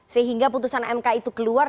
sehingga putusan mk itu keluar